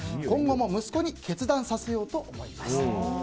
今度も息子に決断させようと思います。